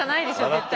絶対。